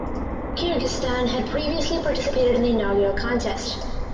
Kyrgyzstan had previously participated in the inaugural contest.